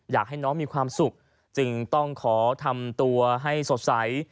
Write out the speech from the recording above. อยากให้น้องมีความสุขจึงต้องขอทำตัวให้สดใส